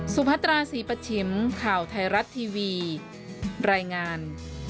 และมีความสุขที่สุขที่สุขที่สุขที่สุข